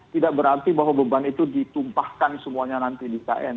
tidak berarti bahwa beban itu ditumpahkan semuanya nanti di kn